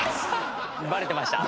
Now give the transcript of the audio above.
バレてました？